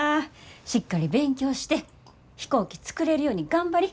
しっかり勉強して飛行機作れるように頑張り。